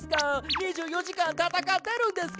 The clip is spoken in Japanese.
２４時間戦ってるんですか！？